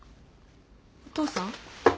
お父さん？